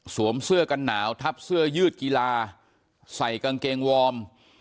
เสื้อกันหนาวทับเสื้อยืดกีฬาใส่กางเกงวอร์ม